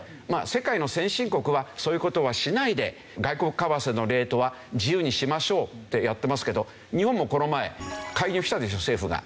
世界の先進国はそういう事はしないで外国為替のレートは自由にしましょうってやってますけど日本もこの前介入したでしょ政府が。